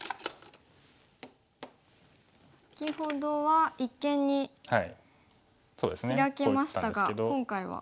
先ほどは一間にヒラきましたが今回は。